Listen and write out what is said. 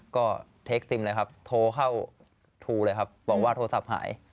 ก็เทคซิมเลยครับโทรเข้าโทรเลยครับบอกว่าโทรศัพท์หาย